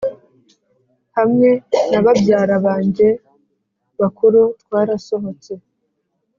hamwe na babyara banjye bakuru twarasohotse,